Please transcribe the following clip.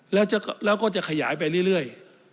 แล้วก็จะขยายไปเรื่อย